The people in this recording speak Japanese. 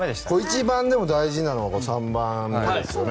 一番大事なのが３番目ですよね。